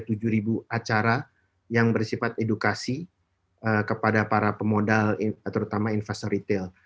secara rata rata setiap tahun kami mengadakan enam ribu tujuh ribu acara yang bersifat edukasi kepada para pemodal terutama investor retail